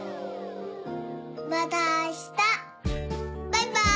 バイバーイ。